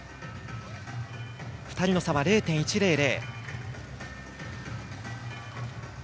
２人の差は０．１００。